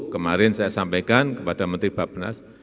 kemarin saya sampaikan kepada menteri bapak penas